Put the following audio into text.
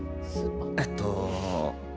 えっと。